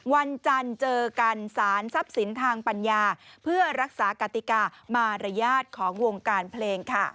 วันจันทร์เจอกันสารทรัพย์สินทางปัญญาเพื่อรักษากติกามารยาทของวงการเพลงค่ะ